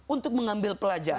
untuk mengambil pelajaran